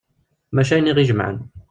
Maca ayen i aɣ-ijemɛen.